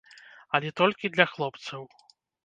Але толькі для хлопцаў.